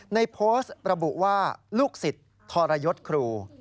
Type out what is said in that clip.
ในโพสต์ระบุว่าลูกศิษย์ทรยศครู